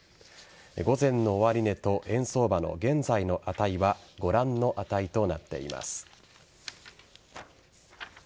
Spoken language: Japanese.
午前の終値と円相場の現在の値はご覧の値となっています。